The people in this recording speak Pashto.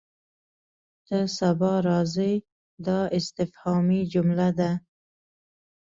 ته سبا راځې؟ دا استفهامي جمله ده.